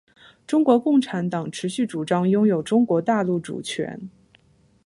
中国共产党持续主张拥有中国大陆主权。